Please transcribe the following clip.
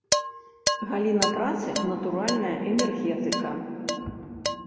Галіна працы, натуральна, энергетыка.